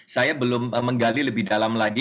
saya belum menggali lebih dalam lagi